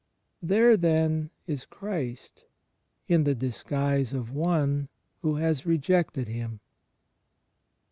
There then is Christ, in the disguise of one who has rejected Him.